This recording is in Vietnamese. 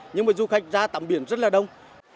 nhưng mà du khách ra tắm biển rất là đông